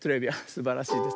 すばらしいです。